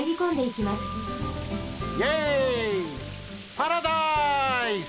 パラダイス！